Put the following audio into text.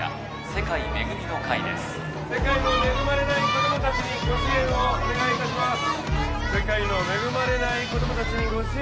世界の恵まれない子供たちにご支援をお願いいたします